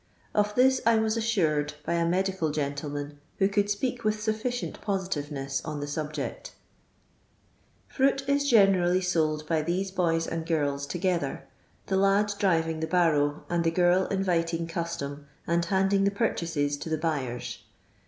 Of this I was assured by a medical gentleman who couKl speak with sufficient positiTsnesi on the subject Fruit is generally sold by these boys and girls together, the lail driving the barrow, and the giri inviting custom and handing the purchases to the buyers.